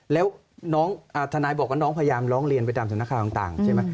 แล้วทนายบอกว่าน้องพยายามร้องเรียนไปตามสำนักข่าวต่างใช่ไหม